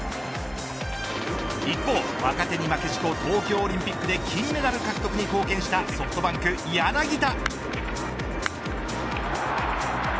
一方、若手に負けじと東京オリンピックで金メダル獲得に貢献したソフトバンク柳田。